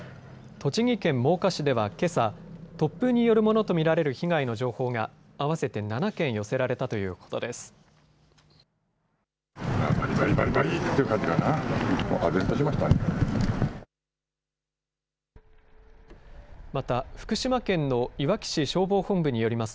栃木県真岡市ではけさ、突風によるものと見られる被害の情報が合わせて７件寄せられたということです。